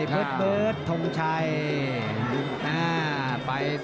แม่ก็ดีกว่า